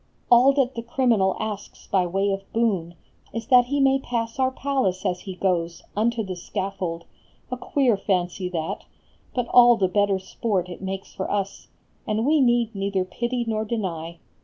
All that the criminal asks by way of boon Is he may pass our palace as he goes Unto the scaffold. A queer fancy that ! But all the better sport it makes for us, And we need neither pity nor deny